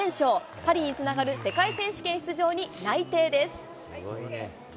パリにつながる世界選手権出場に内偵です。